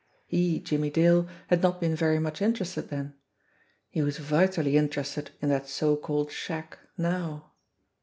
He, Jimmie Dale, had not been very much interested then ; he was vitally interested in that so called shack now